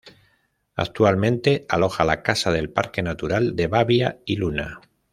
Actualmente aloja la Casa del Parque Natural de Babia y Luna.